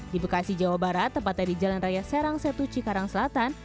di bekasi jawa barat tempatnya di jalan raya serang setuci karang selatan